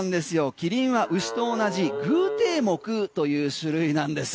キリンは牛と同じ偶蹄目という種類なんです。